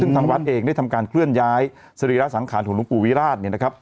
ซึ่งทางวัดเองได้ทำการเคลื่อนย้ายสรีระสังขารของหลวงปู่วิราชเนี่ยนะครับ